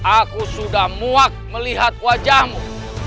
aku sudah muak melihat wajahmu